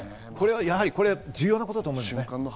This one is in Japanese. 重要なことだと思います。